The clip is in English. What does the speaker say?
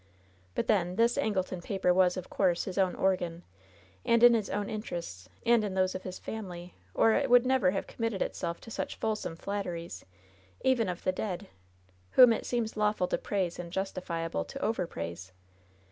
But, then, this Angleton paper was, of course, his own organ, and in his own in terests, and in those of his family, or it would never have committed itself to such fulsome flatteries, even of the dead, whom it seems lawful to praise and justi fiable to overpraise."